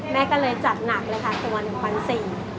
แม่ก็เลยจะจัดหนักเลยค่ะสบวน๑๔๐๐